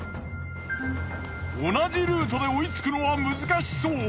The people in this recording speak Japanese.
同じルートで追いつくのは難しそう。